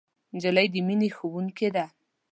نجلۍ د مینې ښوونکې ده.